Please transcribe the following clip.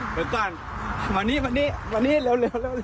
เดี๋ยวก่อนมานี่เร็ว